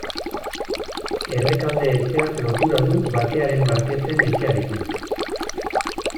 Errekalde etxeak lotura du Bakearen Markesen etxearekin.